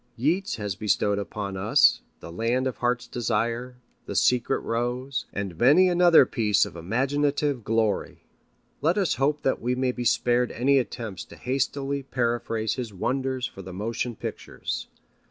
Yeats has bestowed upon us The Land of Heart's Desire, The Secret Rose, and many another piece of imaginative glory. Let us hope that we may be spared any attempts to hastily paraphrase his wonders for the motion pictures.